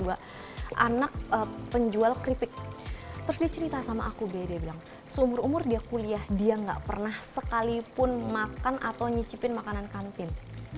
anak penjual keripik terus dia cerita sama aku deh dia bilang seumur umur dia kuliah dia gak pernah sekalipun makan atau nyicipin makanan kantin